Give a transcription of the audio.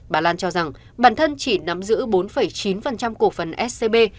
bà lan cho rằng bản thân chỉ nắm giữ bốn chín cổ phần scb